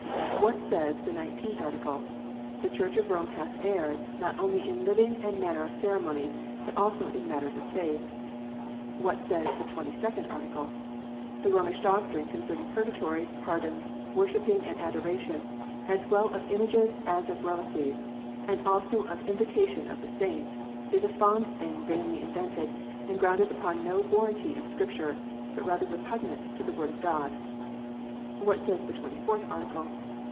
What says the Nineteenth Article? "The Church of Rome hath erred, not only in living and manner of ceremonies, but also in matters of faith." What says the Twenty second Article? "The Romish doctrine concerning purgatory, pardons, worshipping and adora tion, as well of images as of reliques, and also of invocation of saints, is a fond thing vainly invented, and grounded upon no warranty of Scripture, but rather repugnant to the Word of God." Wliat says the Twenty fourth Article?